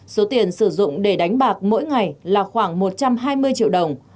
số tiền sử dụng để đánh bạc mỗi ngày là khoảng một trăm hai mươi triệu đồng